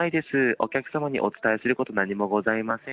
お客様にお伝えすること、何もございません。